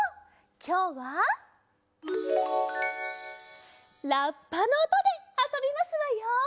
きょうはラッパのおとであそびますわよ！